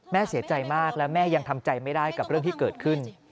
แม่เสียใจมากและแม่ยังทำใจไม่ได้กับเรื่องที่เกิดขึ้น